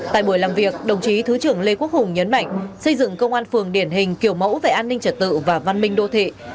tại buổi làm việc đồng chí thứ trưởng lê quốc hùng nhấn mạnh xây dựng công an phường điển hình kiểu mẫu về an ninh trật tự và văn minh đô thị